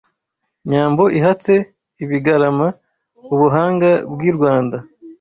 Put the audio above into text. Nyambo ihatse ibigarama Ubuhanga bw’i Rwanda